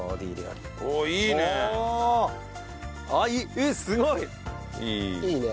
えっすごい！いいね。